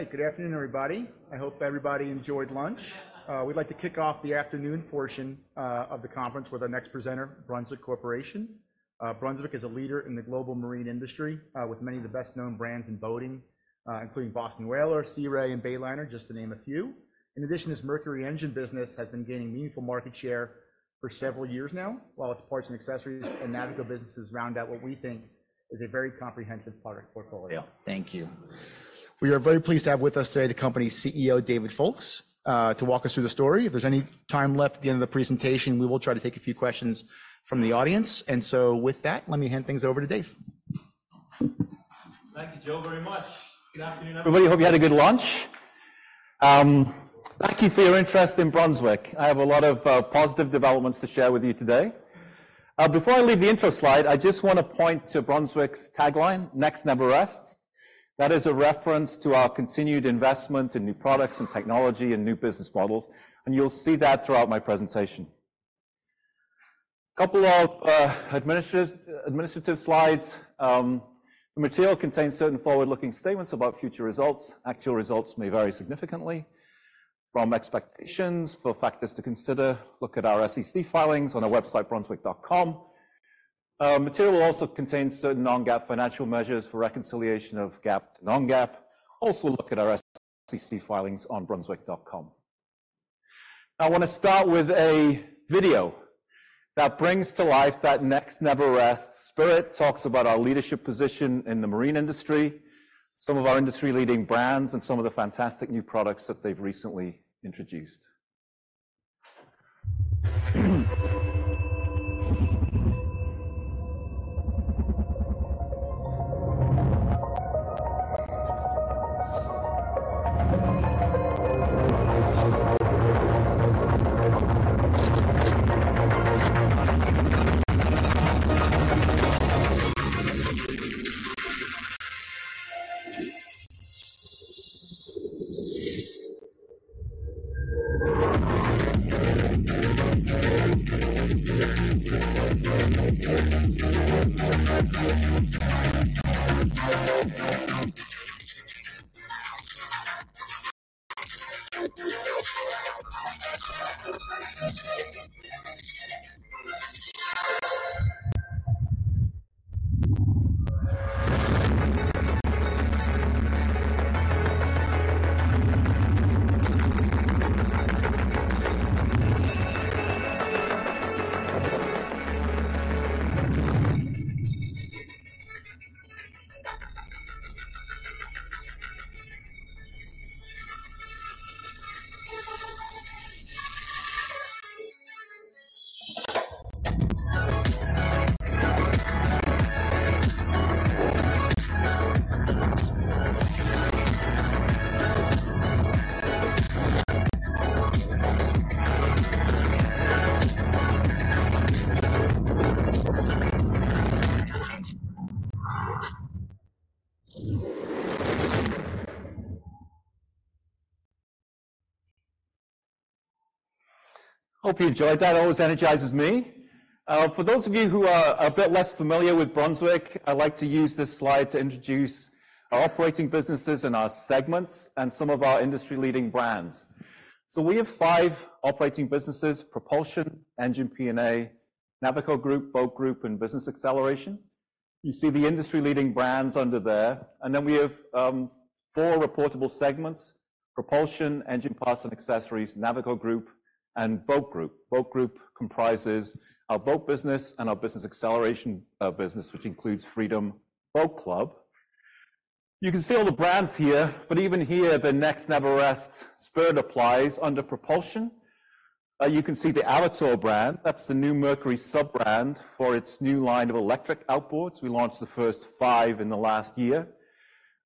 All right, good afternoon, everybody. I hope everybody enjoyed lunch. We'd like to kick off the afternoon portion of the conference with our next presenter, Brunswick Corporation. Brunswick is a leader in the global marine industry with many of the best-known brands in boating, including Boston Whaler, Sea Ray and Bayliner, just to name a few. In addition, its Mercury engine business has been gaining meaningful market share for several years now, while its parts and accessories and nautical businesses round out what we think is a very comprehensive product portfolio. Yeah, thank you. We are very pleased to have with us today the company's CEO, David Foulkes, to walk us through the story. If there's any time left at the end of the presentation, we will try to take a few questions from the audience. So with that, let me hand things over to Dave. Thank you, Joe, very much. Good afternoon, everybody. Everybody, hope you had a good lunch. Thank you for your interest in Brunswick. I have a lot of positive developments to share with you today. Before I leave the intro slide, I just want to point to Brunswick's tagline, "Next Never Rests." That is a reference to our continued investment in new products and technology and new business models, and you'll see that throughout my presentation. A couple of administrative slides. The material contains certain forward-looking statements about future results. Actual results may vary significantly from expectations. For factors to consider, look at our SEC filings on our website, brunswick.com. The material also contains certain non-GAAP financial measures for reconciliation of GAAP and non-GAAP. Also look at our SEC filings on brunswick.com. I want to start with a video that brings to life that "Next Never Rests" spirit, talks about our leadership position in the marine industry, some of our industry-leading brands, and some of the fantastic new products that they've recently introduced. Hope you enjoyed that. It always energizes me. For those of you who are a bit less familiar with Brunswick, I'd like to use this slide to introduce our operating businesses and our segments and some of our industry-leading brands. So we have five operating businesses: Propulsion, Engine P&A, Navico Group, Boat Group, and Business Acceleration. You see the industry-leading brands under there. And then we have four reportable segments: Propulsion, Engine Parts and Accessories, Navico Group, and Boat Group. Boat Group comprises our boat business and our Business Acceleration business, which includes Freedom Boat Club. You can see all the brands here, but even here, the "Next Never Rests" spirit applies under Propulsion. You can see the Avator brand. That's the new Mercury sub-brand for its new line of electric outboards. We launched the first five in the last year.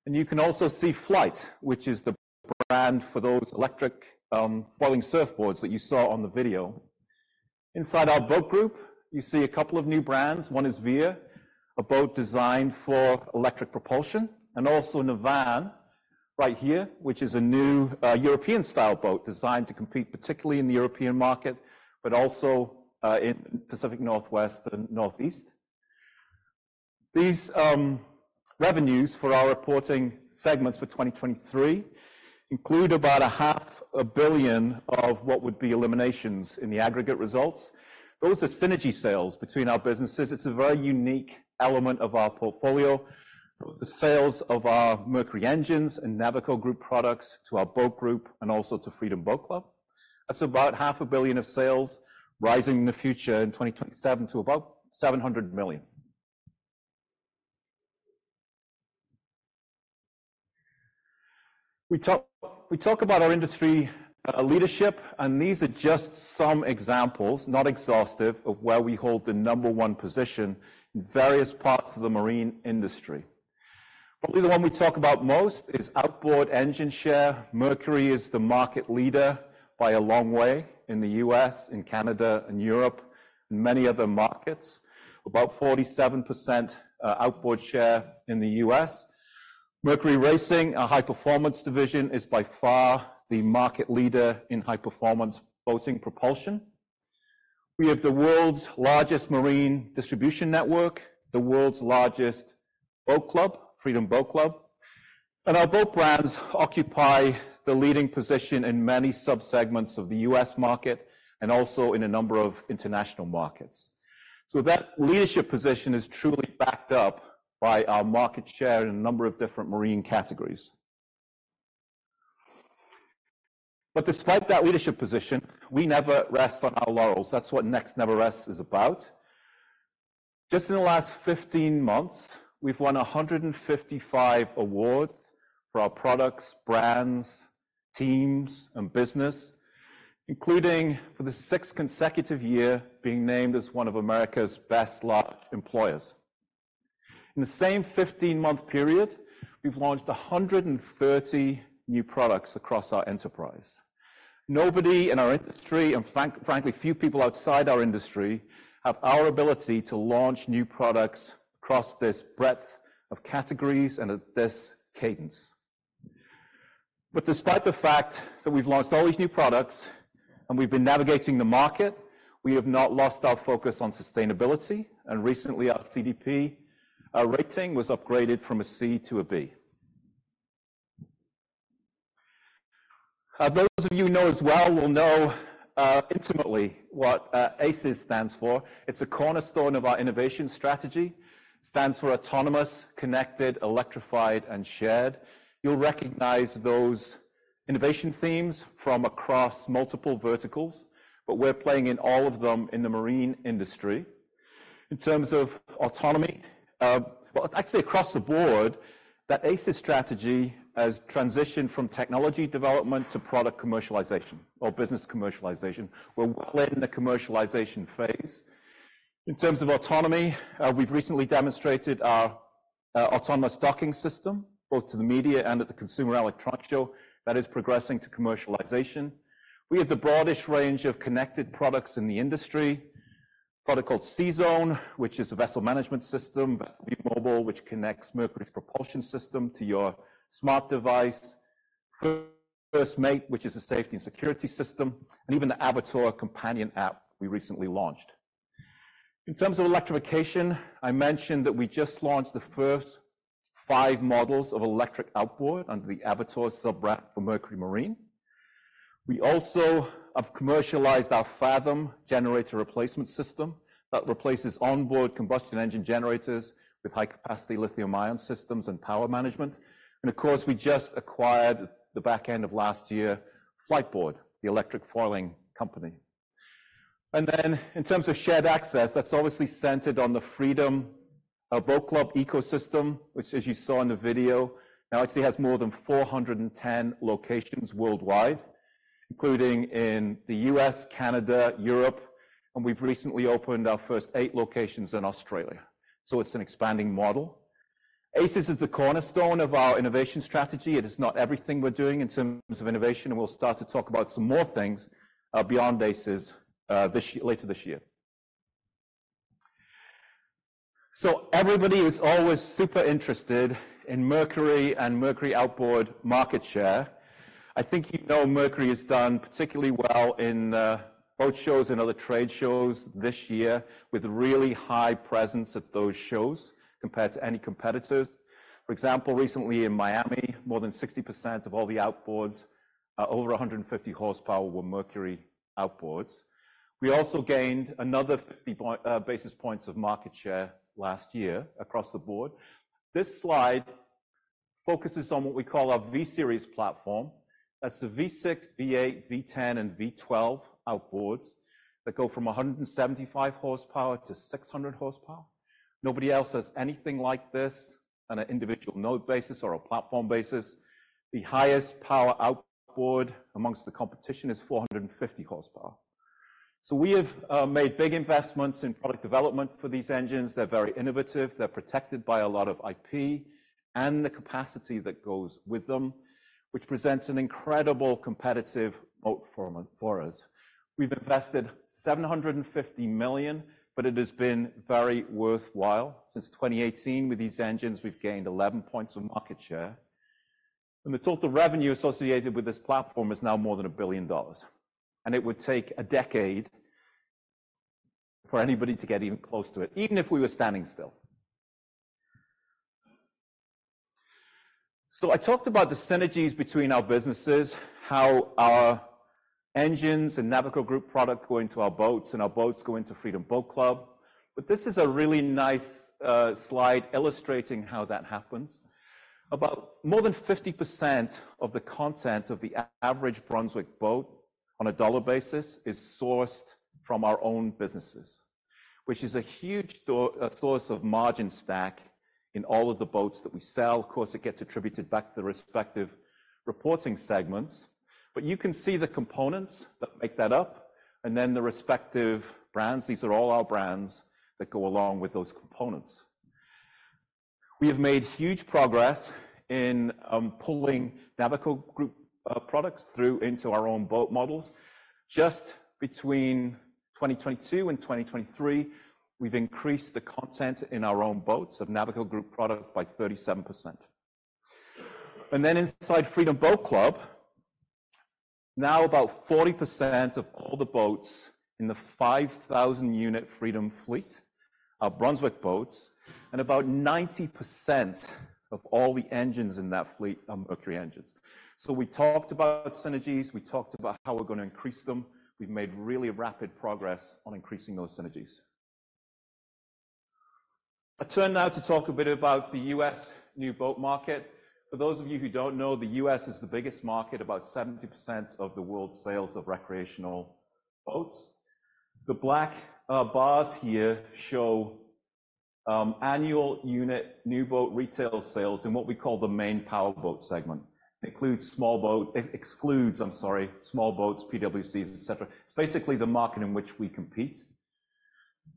And you can also see Flite, which is the brand for those electric foiling surfboards that you saw on the video. Inside our Boat Group, you see a couple of new brands. One is Veer, a boat designed for electric propulsion, and also Navan right here, which is a new European-style boat designed to compete particularly in the European market, but also in Pacific Northwest and Northeast. These revenues for our reporting segments for 2023 include about $500 million of what would be eliminations in the aggregate results. Those are synergy sales between our businesses. It's a very unique element of our portfolio, the sales of our Mercury engines and Navico Group products to our Boat Group and also to Freedom Boat Club. That's about $500 million of sales, rising in the future in 2027 to about $700 million. We talk about our industry leadership, and these are just some examples, not exhaustive, of where we hold the number one position in various parts of the marine industry. Probably the one we talk about most is outboard engine share. Mercury is the market leader by a long way in the U.S., in Canada, and Europe, and many other markets, about 47% outboard share in the U.S. Mercury Racing, our high-performance division, is by far the market leader in high-performance boating propulsion. We have the world's largest marine distribution network, the world's largest boat club, Freedom Boat Club, and our boat brands occupy the leading position in many sub-segments of the U.S. market and also in a number of international markets. So that leadership position is truly backed up by our market share in a number of different marine categories. But despite that leadership position, we never rest on our laurels. That's what "Next Never Rests" is about. Just in the last 15 months, we've won 155 awards for our products, brands, teams, and business, including for the sixth consecutive year being named as one of America's Best Large Employers. In the same 15-month period, we've launched 130 new products across our enterprise. Nobody in our industry and, frankly, few people outside our industry have our ability to launch new products across this breadth of categories and at this cadence. But despite the fact that we've launched all these new products and we've been navigating the market, we have not lost our focus on sustainability. And recently, our CDP rating was upgraded from a C to a B. Those of you who know us well will know intimately what ACES stands for. It's a cornerstone of our innovation strategy. It stands for Autonomous, Connected, Electrified, and Shared. You'll recognize those innovation themes from across multiple verticals, but we're playing in all of them in the marine industry. In terms of autonomy, well, actually across the board, that ACES strategy has transitioned from technology development to product commercialization or business commercialization. We're well in the commercialization phase. In terms of autonomy, we've recently demonstrated our autonomous docking system, both to the media and at the Consumer Electronics Show, that is progressing to commercialization We have the broadest range of connected products in the industry, a product called CZone, which is a vessel management system, V-Mobile, which connects Mercury's propulsion system to your smart device, 1st Mate, which is a safety and security system, and even the Avator companion app we recently launched. In terms of electrification, I mentioned that we just launched the first five models of electric outboard under the Avator sub-brand for Mercury Marine. We also have commercialized our Fathom generator replacement system that replaces onboard combustion engine generators with high-capacity lithium-ion systems and power management. And of course, we just acquired at the back end of last year Fliteboard, the electric foiling company. And then in terms of shared access, that's obviously centered on the Freedom Boat Club ecosystem, which, as you saw in the video, now actually has more than 410 locations worldwide, including in the U.S., Canada, Europe. We've recently opened our first eight locations in Australia. So it's an expanding model. ACES is the cornerstone of our innovation strategy. It is not everything we're doing in terms of innovation. We'll start to talk about some more things beyond ACES later this year. Everybody is always super interested in Mercury and Mercury outboard market share. I think you know Mercury has done particularly well in boat shows and other trade shows this year with a really high presence at those shows compared to any competitors. For example, recently in Miami, more than 60% of all the outboards, over 150 horsepower, were Mercury outboards. We also gained another 50 basis points of market share last year across the board. This slide focuses on what we call our V-Series platform. That's the V6, V8, V10, and V12 outboards that go from 175-600 horsepower. Nobody else has anything like this on an individual node basis or a platform basis. The highest power outboard amongst the competition is 450 horsepower. So we have made big investments in product development for these engines. They're very innovative. They're protected by a lot of IP and the capacity that goes with them, which presents an incredible competitive moat for us. We've invested $750 million, but it has been very worthwhile. Since 2018, with these engines, we've gained 11 points of market share. And the total revenue associated with this platform is now more than $1 billion. And it would take a decade for anybody to get even close to it, even if we were standing still. So I talked about the synergies between our businesses, how our engines and Navico Group product go into our boats, and our boats go into Freedom Boat Club. But this is a really nice slide illustrating how that happens. About more than 50% of the content of the average Brunswick boat on a dollar basis is sourced from our own businesses, which is a huge source of margin stack in all of the boats that we sell. Of course, it gets attributed back to the respective reporting segments. But you can see the components that make that up and then the respective brands. These are all our brands that go along with those components. We have made huge progress in pulling Navico Group products through into our own boat models. Just between 2022 and 2023, we've increased the content in our own boats of Navico Group product by 37%. And then inside Freedom Boat Club, now about 40% of all the boats in the 5,000-unit Freedom fleet are Brunswick boats and about 90% of all the engines in that fleet are Mercury engines. So we talked about synergies. We talked about how we're going to increase them. We've made really rapid progress on increasing those synergies. I turn now to talk a bit about the U.S. new boat market. For those of you who don't know, the U.S. is the biggest market, about 70% of the world sales of recreational boats. The black bars here show annual unit new boat retail sales in what we call the main powerboat segment. It includes small boats, excludes, I'm sorry, small boats, PWCs, etc. It's basically the market in which we compete.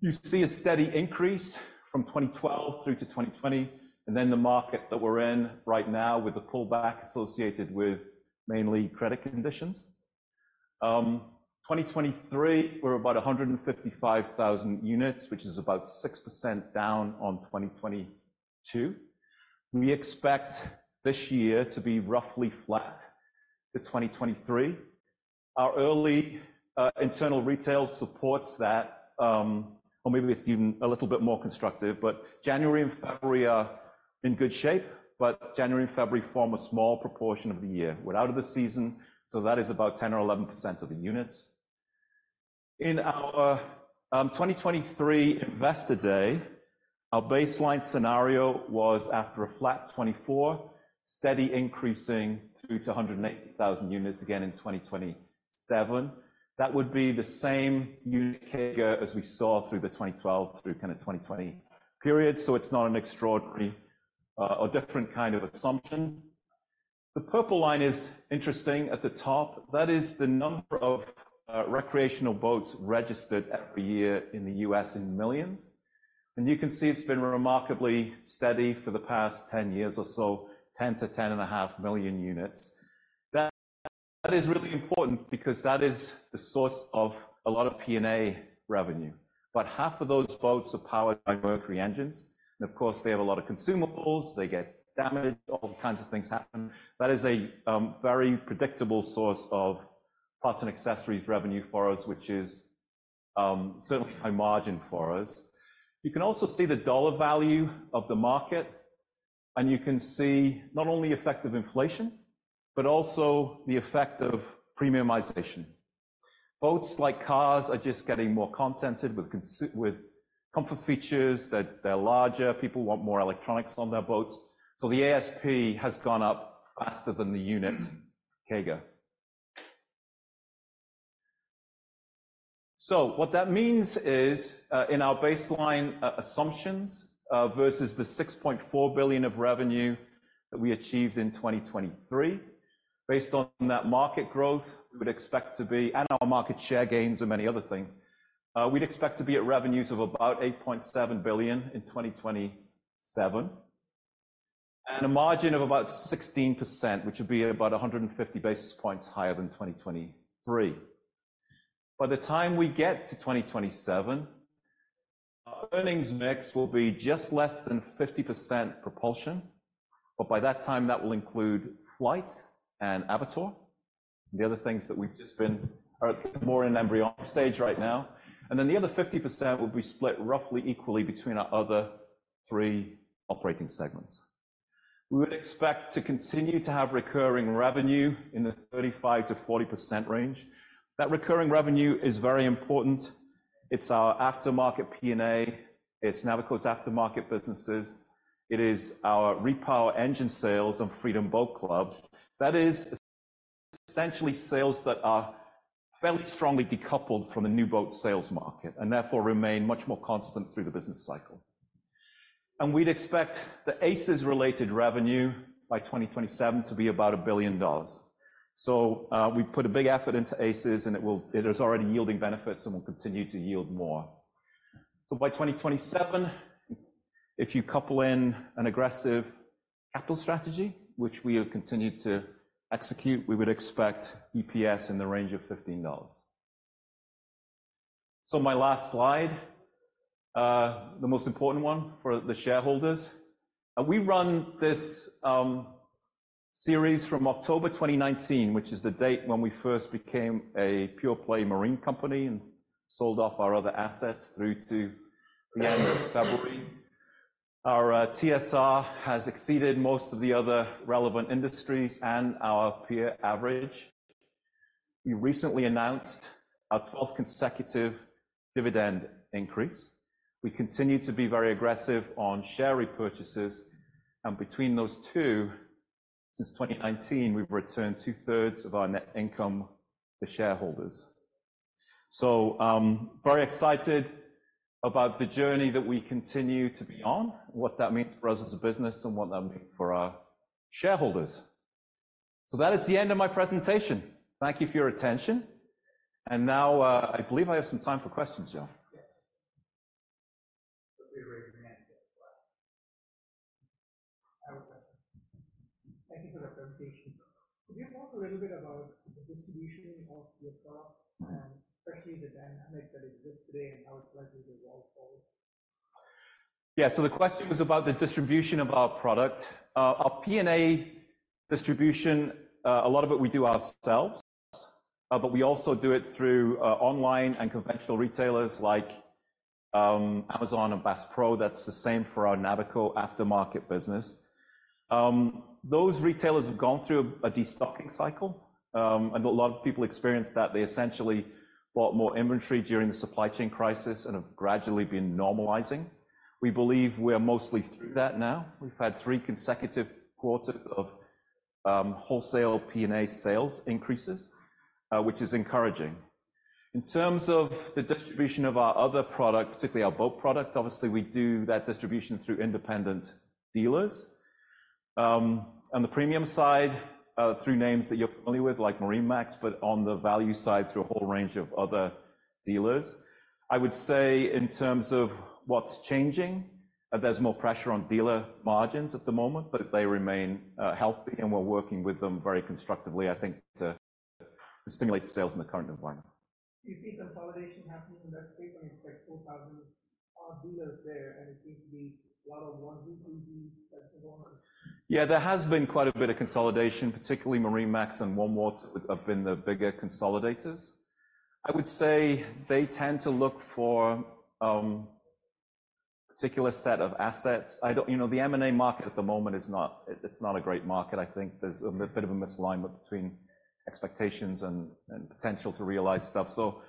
You see a steady increase from 2012 through to 2020 and then the market that we're in right now with the pullback associated with mainly credit conditions. In 2023, we're about 155,000 units, which is about 6% down on 2022. We expect this year to be roughly flat to 2023. Our early internal retail supports that, or maybe it's even a little bit more constructive, but January and February are in good shape. But January and February form a small proportion of the year. We're out of the season, so that is about 10% or 11% of the units. In our 2023 Investor Day, our baseline scenario was after a flat 2024, steady increasing through to 180,000 units again in 2027. That would be the same unit CAGR as we saw through the 2012 through kind of 2020 period. So it's not an extraordinary or different kind of assumption. The purple line is interesting at the top. That is the number of recreational boats registered every year in the U.S. in millions. You can see it's been remarkably steady for the past 10 years or so, 10 to 10.5 million units. That is really important because that is the source of a lot of P&A revenue. Half of those boats are powered by Mercury engines. Of course, they have a lot of consumables. They get damaged. All kinds of things happen. That is a very predictable source of parts and accessories revenue for us, which is certainly high margin for us. You can also see the dollar value of the market. You can see not only effective inflation, but also the effect of premiumization. Boats like cars are just getting more equipped with comfort features. They're larger. People want more electronics on their boats. So the ASP has gone up faster than the unit CAGR. So what that means is in our baseline assumptions versus the $6.4 billion of revenue that we achieved in 2023, based on that market growth we would expect to be and our market share gains and many other things, we'd expect to be at revenues of about $8.7 billion in 2027 and a margin of about 16%, which would be about 150 basis points higher than 2023. By the time we get to 2027, our earnings mix will be just less than 50% propulsion. But by that time, that will include Flite and Avator and the other things that we've just been are more in the embryonic stage right now. And then the other 50% will be split roughly equally between our other three operating segments. We would expect to continue to have recurring revenue in the 35%-40% range. That recurring revenue is very important. It's our aftermarket P&A. It's Navico's aftermarket businesses. It is our repower engine sales on Freedom Boat Club. That is essentially sales that are fairly strongly decoupled from the new boat sales market and therefore remain much more constant through the business cycle. And we'd expect the ACES-related revenue by 2027 to be about $1 billion. So we put a big effort into ACES, and it is already yielding benefits and will continue to yield more. So by 2027, if you couple in an aggressive capital strategy, which we have continued to execute, we would expect EPS in the range of $15. So my last slide, the most important one for the shareholders. We run this series from October 2019, which is the date when we first became a pure-play marine company and sold off our other assets through to the end of February. Our TSR has exceeded most of the other relevant industries and our peer average. We recently announced our 12th consecutive dividend increase. We continue to be very aggressive on share repurchases. Between those two, since 2019, we've returned two-thirds of our net income to shareholders. So very excited about the journey that we continue to be on, what that means for us as a business, and what that means for our shareholders. So that is the end of my presentation. Thank you for your attention. And now I believe I have some time for questions, Joe. Yes. Thank you for the presentation. Could you talk a little bit about the distribution of your product and especially the dynamic that exists today and how it's likely to evolve forward? Yeah. So the question was about the distribution of our product. Our P&A distribution, a lot of it we do ourselves. But we also do it through online and conventional retailers like Amazon and Bass Pro. That's the same for our Navico aftermarket business. Those retailers have gone through a destocking cycle. And a lot of people experienced that. They essentially bought more inventory during the supply chain crisis and have gradually been normalizing. We believe we're mostly through that now. We've had three consecutive quarters of wholesale P&A sales increases, which is encouraging. In terms of the distribution of our other product, particularly our boat product, obviously, we do that distribution through independent dealers. On the premium side, through names that you're familiar with like MarineMax, but on the value side through a whole range of other dealers. I would say in terms of what's changing, there's more pressure on dealer margins at the moment, but they remain healthy. And we're working with them very constructively, I think, to stimulate sales in the current environment. You see consolidation happening in that space when you expect 4,000 dealers there, and it seems to be a lot of onesies, twosies that's going on? Yeah. There has been quite a bit of consolidation, particularly MarineMax and OneWater have been the bigger consolidators. I would say they tend to look for a particular set of assets. The M&A market at the moment is not it's not a great market. I think there's a bit of a misalignment between expectations and potential to realize stuff. So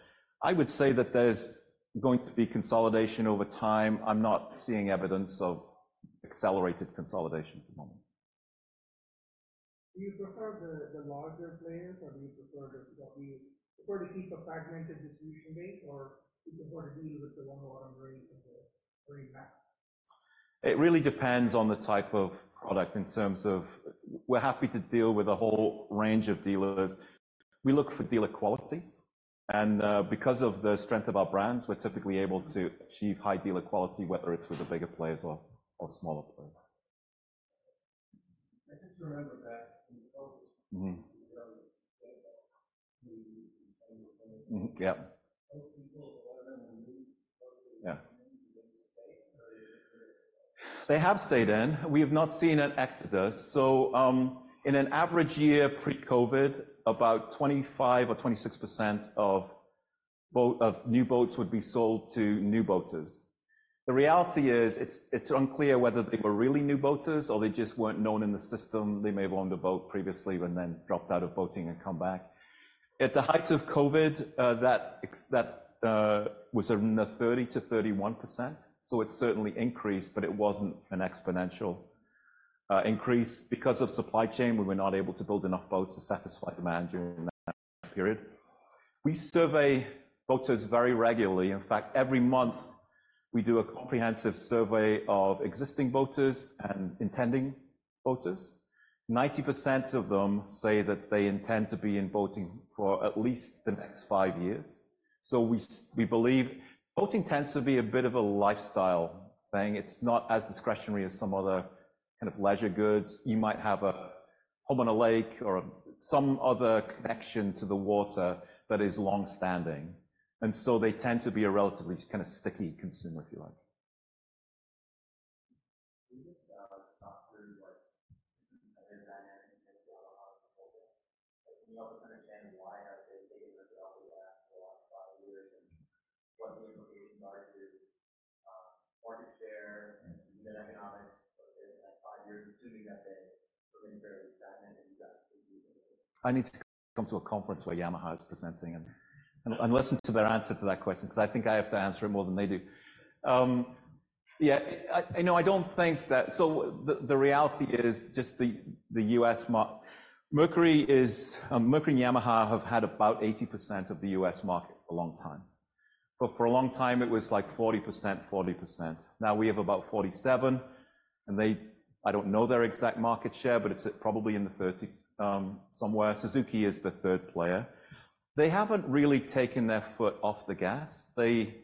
I would say that there's going to be consolidation over time. I'm not seeing evidence of accelerated consolidation at the moment. Do you prefer the larger players, or do you prefer to keep a fragmented distribution base, or do you prefer to deal with the OneWater Marine and the MarineMax? It really depends on the type of product in terms of we're happy to deal with a whole range of dealers. We look for dealer quality. And because of the strength of our brands, we're typically able to achieve high dealer quality, whether it's with the bigger players or smaller players. I just remember that in the focus of the early stage of the. Yeah. Most people, a lot of them will move to focus on the new to make a stay, or They have stayed in. We have not seen it act thus. So in an average year pre-COVID, about 25 or 26% of new boats would be sold to new boaters. The reality is it's unclear whether they were really new boaters, or they just weren't known in the system. They may have owned a boat previously and then dropped out of boating and come back. At the height of COVID, that was in the 30%-31%. So it certainly increased, but it wasn't an exponential increase. Because of supply chain, we were not able to build enough boats to satisfy demand during that period. We survey boaters very regularly. In fact, every month, we do a comprehensive survey of existing boaters and intending boaters. 90% of them say that they intend to be in boating for at least the next five years. So we believe boating tends to be a bit of a lifestyle thing. It's not as discretionary as some other kind of leisure goods. You might have a home on a lake or some other connection to the water that is longstanding. And so they tend to be a relatively kind of sticky consumer, if you like. Do you just talk through other dynamics in the water market for Honda? Can you help us understand why they've taken this tack for the last five years and what the implications are to market share and unit economics over the next five years, assuming that they remain fairly stagnant and you guys continue to move? I need to come to a conference where Yamaha is presenting and listen to their answer to that question because I think I have to answer it more than they do. Yeah. I don't think that, so the reality is just the U.S. Mercury and Yamaha have had about 80% of the U.S. market a long time. But for a long time, it was like 40%, 40%. Now we have about 47%. And I don't know their exact market share, but it's probably in the 30% somewhere. Suzuki is the third player. They haven't really taken their foot off the gas. They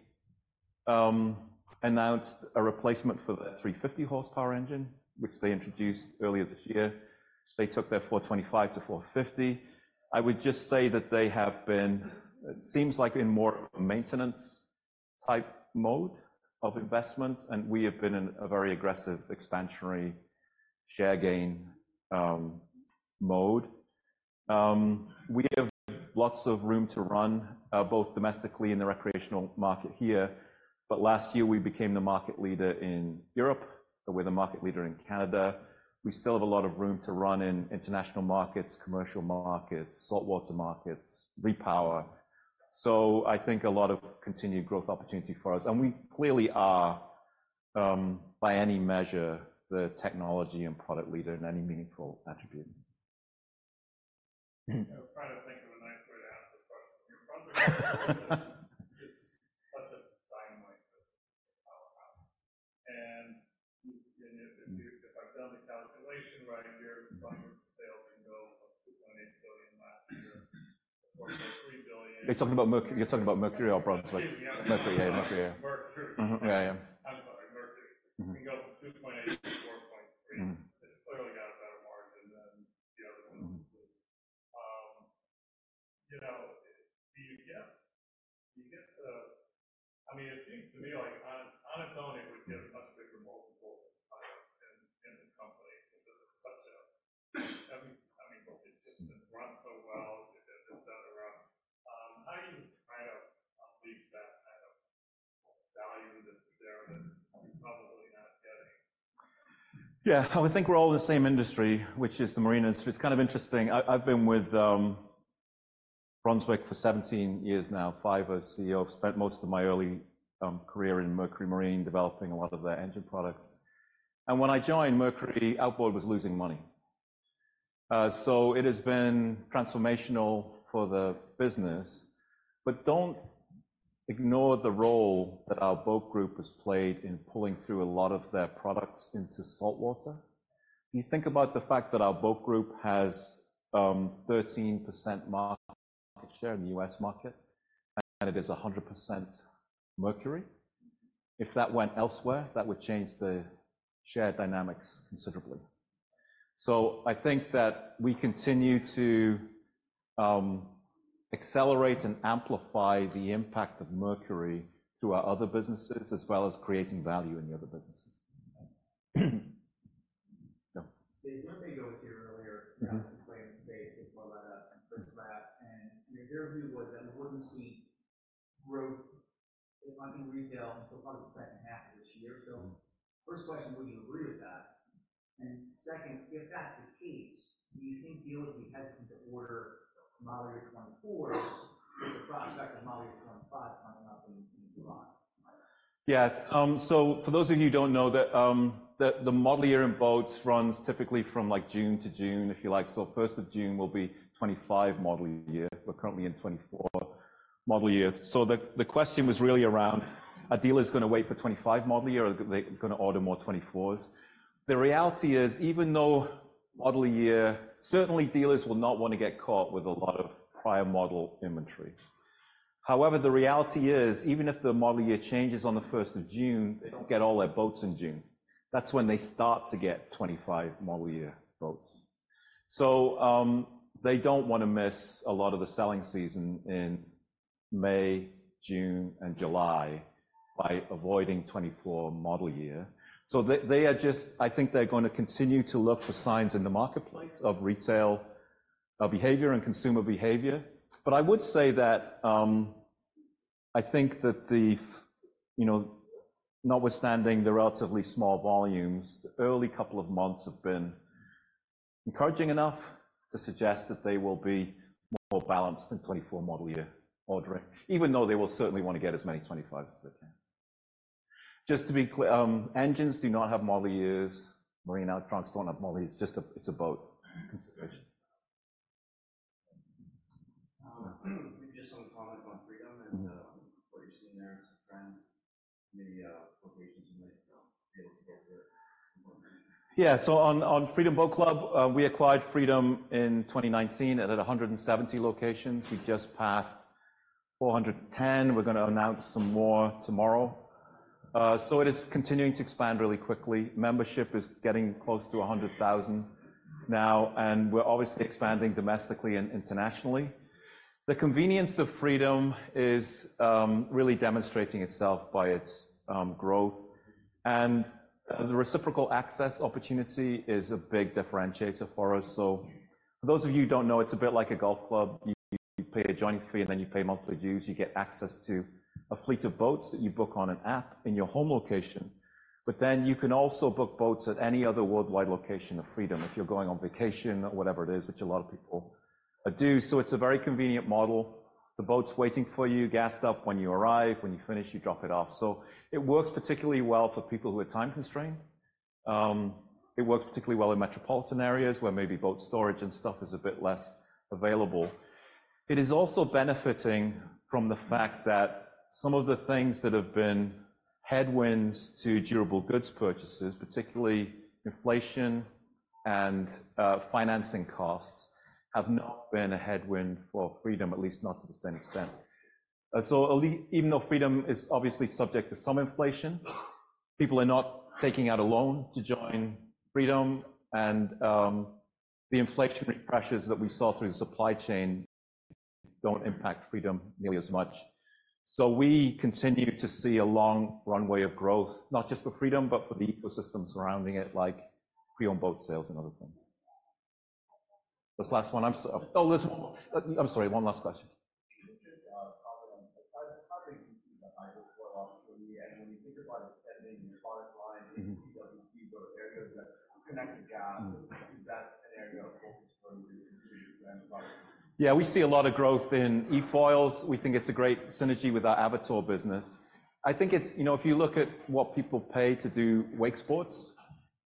announced a replacement for their 350-horsepower engine, which they introduced earlier this year. They took their 425 to 450. I would just say that they have been, it seems like, in more of a maintenance-type mode of investment. And we have been in a very aggressive expansionary share gain mode. We have lots of room to run both domestically in the recreational market here. But last year, we became the market leader in Europe. We're the market leader in Canada. We still have a lot of room to run in international markets, commercial markets, saltwater markets, repower. So I think a lot of continued growth opportunity for us. And we clearly are, by any measure, the technology and product leader in any meaningful attribute. I'm trying to think of a nice way to answer the question. Your Brunswick Mercury is such a dynamite powerhouse. And if I've done the calculation right, your Brunswick sales can go from $2.8 billion last year to $4.3 billion. You're talking about Mercury or Brunswick? Mercury. Yeah. Mercury. Yeah. Mercury. Yeah. Mercury. Yeah. Yeah. I'm sorry. Mercury can go from $2.8 billion to $4.3 billion. It's clearly got a better margin than the other one. Do you get the I mean, it seems to me on its own, it would give a much bigger multiple in the company because it's such a I mean, it's just been run so well, etc. How do you try to leave that kind of value that's there that you're probably not getting? Yeah. I would think we're all in the same industry, which is the marine industry. It's kind of interesting. I've been with Brunswick for 17 years now, five as CEO. I've spent most of my early career in Mercury Marine developing a lot of their engine products. When I joined Mercury, Outboard was losing money. So it has been transformational for the business. But don't ignore the role that our Boat Group has played in pulling through a lot of their products into saltwater. You think about the fact that our boat group has 13% market share in the U.S. market, and it is 100% Mercury. If that went elsewhere, that would change the share dynamics considerably. So I think that we continue to accelerate and amplify the impact of Mercury through our other businesses as well as creating value in the other businesses. Go ahead. Yeah. The one thing you went over here earlier, perhaps commenting on this before I let us conclude this call. You indicated that we wouldn't see growth in retail until probably the second half of this year. So first question, would you agree with that? And second, if that's the case, do you think dealers would be hesitant to order model year 2024 with the prospect of model year 2025 coming up in July? Yeah. So for those of you who don't know, the model year in boats runs typically from June to June, if you like. So 1st of June will be 2025 model year. We're currently in 2024 model year. So the question was really around, are dealers going to wait for 2025 model year, or are they going to order more 2024s? The reality is even though model year certainly, dealers will not want to get caught with a lot of prior model inventory. However, the reality is even if the model year changes on the 1st of June, they don't get all their boats in June. That's when they start to get 2025 model year boats. So they don't want to miss a lot of the selling season in May, June, and July by avoiding 2024 model year. So they are just I think they're going to continue to look for signs in the marketplace of retail behavior and consumer behavior. But I would say that I think that the notwithstanding the relatively small volumes, the early couple of months have been encouraging enough to suggest that they will be more balanced than 2024 model year ordering, even though they will certainly want to get as many 2025s as they can. Just to be clear, engines do not have model years marine outboards don't have model years. It's a boat consideration. Maybe just some comments on Freedom and what you've seen there with some friends, maybe locations you might be able to go for some information. Yeah. So on Freedom Boat Club, we acquired Freedom in 2019 at 170 locations. We just passed 410. We're going to announce some more tomorrow. It is continuing to expand really quickly. Membership is getting close to 100,000 now. We're obviously expanding domestically and internationally. The convenience of Freedom is really demonstrating itself by its growth. The reciprocal access opportunity is a big differentiator for us. For those of you who don't know, it's a bit like a golf club. You pay a joining fee, and then you pay monthly dues. You get access to a fleet of boats that you book on an app in your home location. Then you can also book boats at any other worldwide location of Freedom if you're going on vacation or whatever it is, which a lot of people do. It's a very convenient model. The boat's waiting for you, gassed up when you arrive. When you finish, you drop it off. It works particularly well for people who are time-constrained. It works particularly well in metropolitan areas where maybe boat storage and stuff is a bit less available. It is also benefiting from the fact that some of the things that have been headwinds to durable goods purchases, particularly inflation and financing costs, have not been a headwind for Freedom, at least not to the same extent. So even though Freedom is obviously subject to some inflation, people are not taking out a loan to join Freedom. And the inflationary pressures that we saw through the supply chain don't impact Freedom nearly as much. So we continue to see a long runway of growth, not just for Freedom but for the ecosystem surrounding it like pre-owned boat sales and other things. This last one I'm sorry. One last question. Can you just tell them how do you see the hydrofoil opportunity? When you think about extending your product line into PWCs or areas that connect the gap, is that an area of focus for you to continue to brand the product? Yeah. We see a lot of growth in e-foils. We think it's a great synergy with our Avator business. I think if you look at what people pay to do wakesports,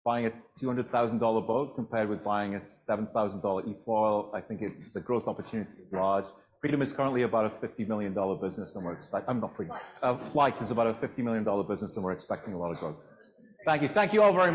buying a $200,000 boat compared with buying a $7,000 e-foil, I think the growth opportunity is large. Flite is currently about a $50 million business, and we're expecting a lot of growth. Thank you. Thank you all very much.